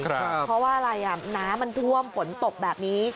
เพราะว่าอะไรน้ำมันท่วมฝนตกแบบนี้